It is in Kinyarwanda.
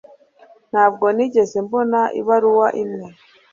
Ntabwo nigeze mbona ibaruwa imwe